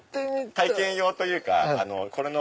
体験用というかこれの。